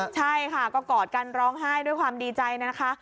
ใช่ค่ะก็กอดกันร้องไห้ด้วยความดีใจนะคะ